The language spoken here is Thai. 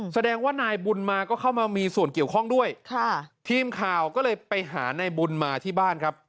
แสดงว่านายบุญมาก็เข้ามามีส่วนเกี่ยวข้องด้วยค่ะทีมข่าวก็เลยไปหานายบุญมาที่บ้านครับ